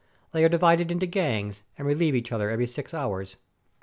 They are di vided into gangs, and relieve each other every six hours.